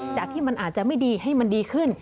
จากที่มันอาจจะไม่ดีให้มันดีขึ้น